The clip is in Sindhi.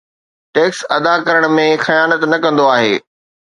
ٽيڪس ادا ڪرڻ ۾ خيانت نه ڪندو آهي